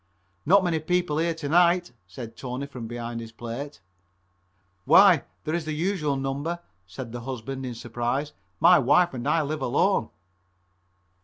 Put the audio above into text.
"Not many people here to night," said Tony from behind his plate. "Why, there is the usual number," said the husband in surprise, "my wife and myself live alone."